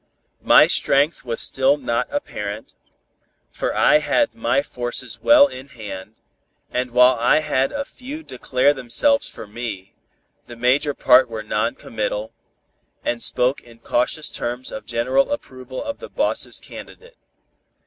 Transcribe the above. My strength was still not apparent, for I had my forces well in hand, and while I had a few declare themselves for me, the major part were non committal, and spoke in cautious terms of general approval of the boss's candidate.